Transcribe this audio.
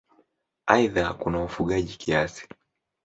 Aidha kuna ufugaji kiasi.